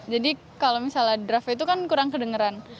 jadi kalau misalnya draft itu kan kurang kedengeran